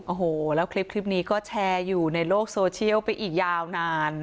โอ้โหแล้วคลิปนี้ก็แชร์อยู่ในโลกโซเชียลไปอีกยาวนาน